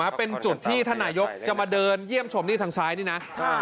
คุณผู้ชมเป็นจุดที่ท่านนายกจะมาเดินเยี่ยมชมทางซ้ายนี่นะ